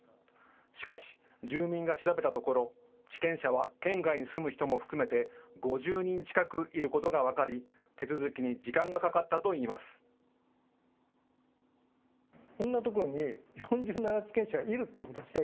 しかし、住民が調べたところ、地権者は県外に住む人も含めて５０人近くいることが分かり、手続きに時間がかかったといいます。